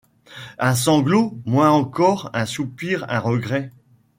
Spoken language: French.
Un sanglot, moins encore, un soupir, un regret